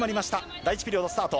第１ピリオド、スタート。